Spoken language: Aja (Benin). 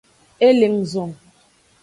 E le nguzo.